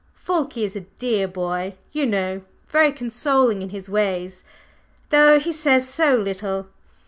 Fulke is a dear boy, you know very consoling in his ways, though he says so little.